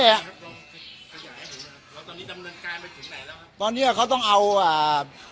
แล้วตอนนี้ดำเนินกายไปถึงไหนแล้วครับตอนเนี้ยเขาต้องเอาอ่า